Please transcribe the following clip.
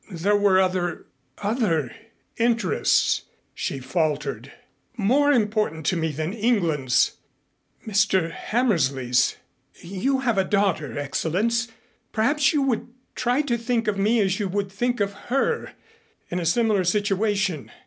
"There were other other interests," she faltered, "more important to me than England's Mr. Hammersley's. You have a daughter, Excellenz. Perhaps you would try to think of me as you would think of her in a similar situation.